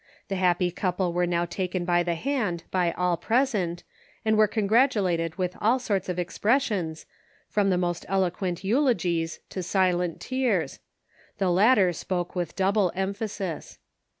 The happy couple were now taken by the hand by all present, and were congratulated with all sorts of expressions, from the most eloquent eulo gies to silent tears ; the latter spoke with double emphasis.